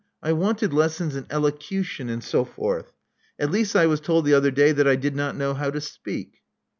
I wanted lessons in elocu tion and so forth. At least, I was told the other day that I did not know how to speak."